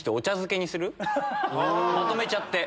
まとめちゃって。